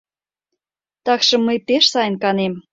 Такшым мый пеш сайын канем.